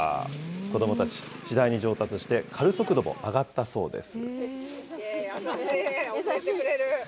子どもたち、次第に上達して、刈る速度も上がったそうです。